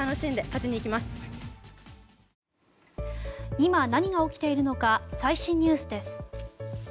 今、何が起きているのか最新ニュースです。